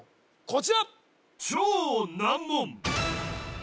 こちら